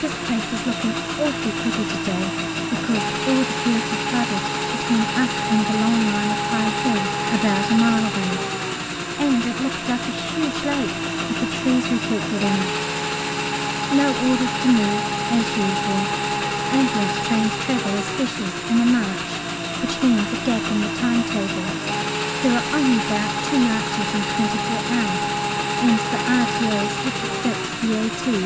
This place is looking awfully pretty to day, because all the fields are flooded between us and the long line of high hills about a mile away, and it looks like a huge lake with the trees reflected in it. No orders to move, as usual. Ambulance trains travel as "specials" in a "marche," which means a gap in the timetable. There are only about two marches in twenty four hours, and the R.T.O.'s have to fit the A.T.'